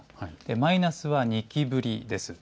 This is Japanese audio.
マイナスは２期ぶりです。